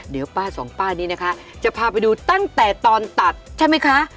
เดี๋ยวป้าสองป้านี้นะคะจะพาไปดูตั้งแต่ตอนตัดใช่ไหมคะ